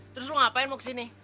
terus lo ngapain mau kesini